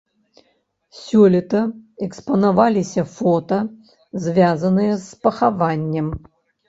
Сёлета экспанаваліся фота, звязаныя з пахаваннем.